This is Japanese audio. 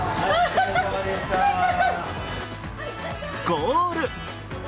ゴール。